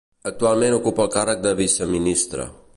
Actualment ocupa el càrrec de viceministra.